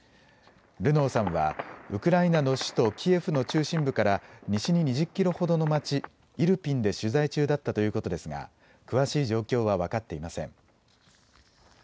ルノーさんはウクライナの首都キエフの中心部から西に２０キロほどの街、イルピンで取材中だったということですが詳しい状況は分かっていません。